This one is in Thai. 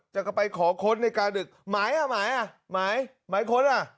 จะไปขอค้นในกลางดึกไหมอ่ะไหมอ่ะไหมไหมค้นอ่ะ